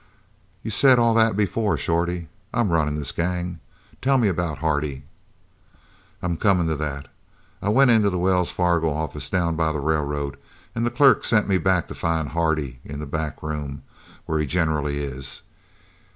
"You've said all that before, Shorty. I'm runnin' this gang. Tell me about Hardy." "I'm comin' to that. I went into the Wells Fargo office down by the railroad, an' the clerk sent me back to find Hardy in the back room, where he generally is.